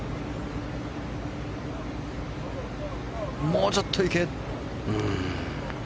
もうちょっと行け。